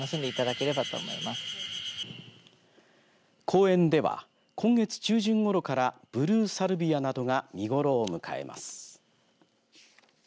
公園では、今月中旬ごろからブルーサルビアなどが見頃を迎えます。